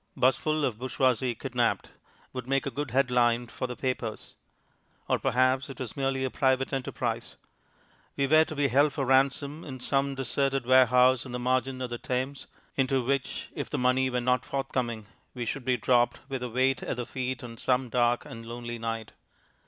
"'Busful of Bourgeoisie Kidnapped" would make a good head line for the papers. Or perhaps it was merely a private enterprise. We were to be held for ransom in some deserted warehouse on the margin of the Thames, into which, if the money were not forthcoming, we should be dropped with a weight at the feet on some dark and lonely night....